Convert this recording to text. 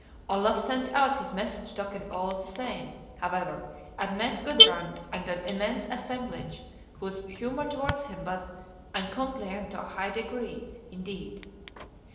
Olaf sent out his message token all the same however, and met Gudbrand and an immense assemblage, whose humor towards him was uncompliant to a high degree indeed.